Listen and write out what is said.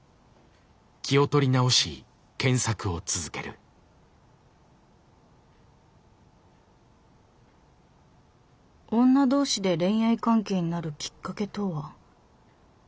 女性同士恋愛「女同士で恋愛関係になるきっかけとは？」。